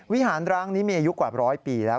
วิหารร้างนี้มีอายุกว่าร้อยปีแล้ว